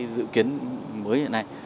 dự kiến mới như thế này